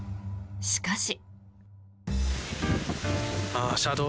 しかし。